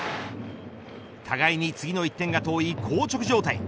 互いに次の１点が遠いこう着状態。